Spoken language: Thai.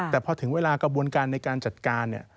แต่พอถึงเวลากระบวนการในการจัดการเนี่ย